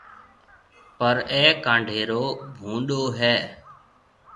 پر اَي ڪانڊيرو ڀونڏو هيَ